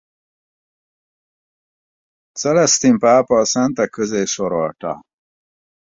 Celesztin pápa a szentek közé sorolta.